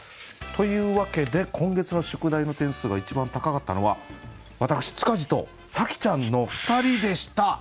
というわけで今月の宿題の点数が一番高かったのは私塚地と紗季ちゃんの２人でした。